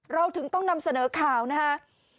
เราถึงต้องนำเสนอข่าวนะครับ